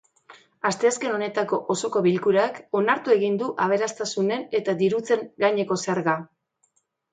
Asteazken honetako osoko bilkurak onartu egin du aberastasunen eta dirutzen gaineko zerga.